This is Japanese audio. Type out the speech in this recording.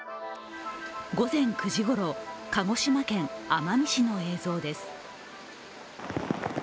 午前９時ごろ、鹿児島県奄美市の映像です。